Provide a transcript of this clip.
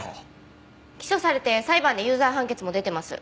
起訴されて裁判で有罪判決も出てます。